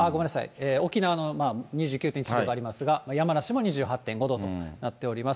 ごめんなさい、沖縄の２９．１度ありますが、山梨も２８．５度となっております。